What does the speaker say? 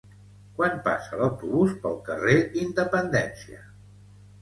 Quan passa l'autobús pel carrer Independència?